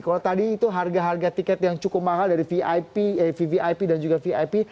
kalau tadi itu harga harga tiket yang cukup mahal dari vvip